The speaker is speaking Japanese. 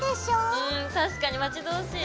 うん確かに待ち遠しい。